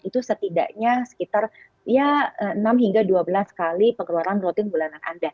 itu setidaknya sekitar ya enam hingga dua belas kali pengeluaran rutin bulanan anda